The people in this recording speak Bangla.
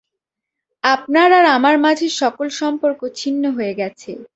আপনার আর আমার মাঝের সকল সম্পর্ক ছিন্ন হয়ে গেছে।